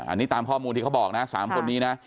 อันนี้ตามข้อมูลที่เขาบอกนะ๓คนนี้นะ